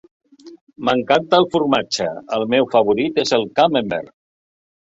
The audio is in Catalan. M'encanta el formatge; el meu favorit és el camembert.